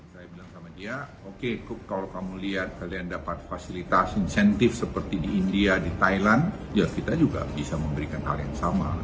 saya bilang sama dia oke kalau kamu lihat kalian dapat fasilitas insentif seperti di india di thailand ya kita juga bisa memberikan hal yang sama